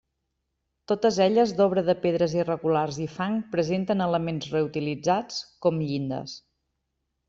Totes elles, d'obra de pedres irregulars i fang, presenten elements reutilitzats, com llindes.